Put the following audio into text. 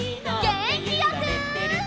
げんきよく！